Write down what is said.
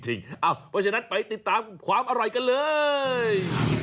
เพราะฉะนั้นไปติดตามความอร่อยกันเลย